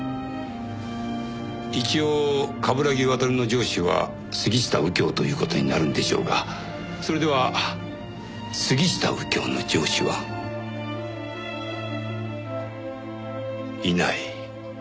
一応冠城亘の上司は杉下右京という事になるんでしょうがそれでは杉下右京の上司は？いない。